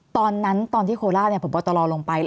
ตอนที่โคลาพอบอตรอลงไป